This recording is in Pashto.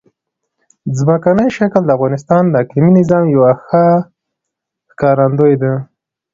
ځمکنی شکل د افغانستان د اقلیمي نظام یوه ښه ښکارندوی ده.